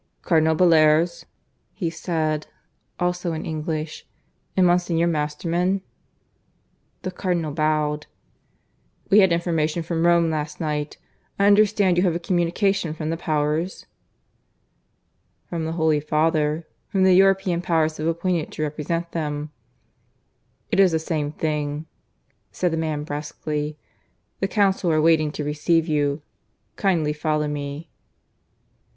"Cardinal Bellairs?" he said, also in English. "And Monsignor Masterman?" The Cardinal bowed. "We had information from Rome last night. I understand you have a communication from the Powers?" "From the Holy Father, whom the European Powers have appointed to represent them." "It is the same thing," said the man brusquely. "The Council are waiting to receive you. Kindly follow me."